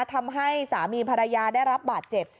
ทำให้สามีภรรยาได้รับบาดเจ็บ